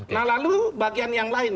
nah lalu bagian yang lain